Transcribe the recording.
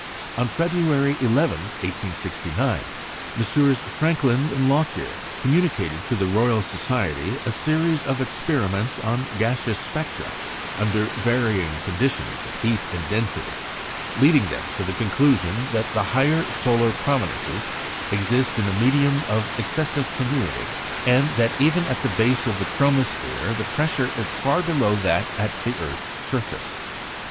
On February 11, 1869, Messrs. Frankland and Lockyer communicated to the Royal Society a series of experiments on gaseous spectra under varying conditions of heat and density, leading them to the conclusion that the higher solar prominences exist in a medium of excessive tenuity, and that even at the base of the chromosphere the pressure is far below that at the earth's surface.